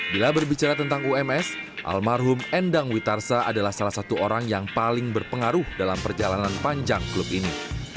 bila berbicara tentang ums almarhum endang witarsa adalah salah satu orang yang paling berpengaruh dalam perjalanan panjang klub ini